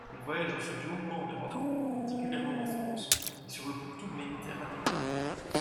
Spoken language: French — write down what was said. Il voyage ensuite longuement en Europe, particulièrement en France et sur le pourtour méditerranéen.